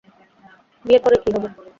বিয়ের পরে কী হবে?